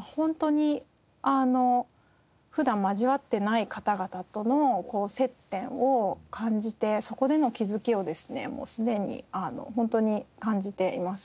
本当にあの普段交わっていない方々との接点を感じてそこでの気づきをですね既に本当に感じています。